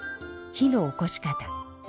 火のおこし方。